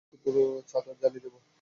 তুই যাবি নাকি তোর চাদর জ্বালিয়ে দেব?